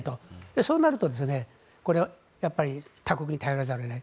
そうなると、他国に頼らざるを得ない。